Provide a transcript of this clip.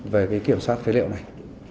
về cái kiểm soát phế liệu này